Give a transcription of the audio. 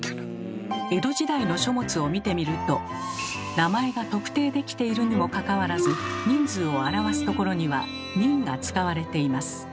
江戸時代の書物を見てみると名前が特定できているにもかかわらず人数を表すところには「人」が使われています。